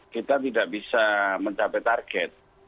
kita tidak bisa mencapai target